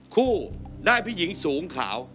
คู่ได้ผู้หญิงสูงขาว